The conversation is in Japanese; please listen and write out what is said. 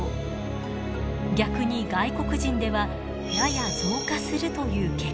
逆に外国人ではやや増加するという結果に。